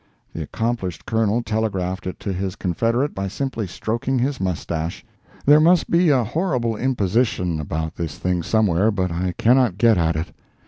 The accomplished Colonel telegraphed it to his confederate by simply stroking his moustache. There must be a horrible imposition about this thing somewhere, but I cannot get at it.